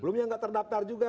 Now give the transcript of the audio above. belumnya gak terdaftar juga